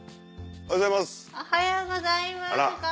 おはようございます。